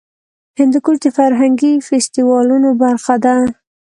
هندوکش د فرهنګي فستیوالونو برخه ده.